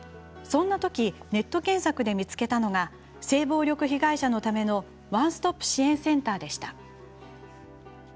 そんなときネット検索で見つけたのが性暴力被害者のためのワンストップ支援センターでした。